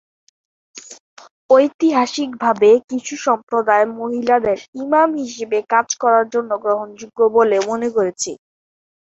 ঐতিহাসিকভাবে, কিছু সম্প্রদায় মহিলাদের ইমাম হিসাবে কাজ করার জন্য গ্রহণযোগ্য বলে মনে করেছে।